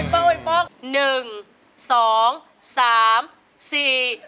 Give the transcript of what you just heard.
หนึ่งสองสามสี่